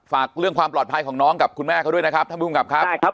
ฝากเรื่องความปลอดภัยของน้องกับคุณแม่เขาด้วยนะครับท่านภูมิกับครับใช่ครับ